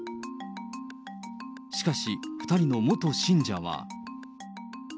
しかし、２人の元信者は。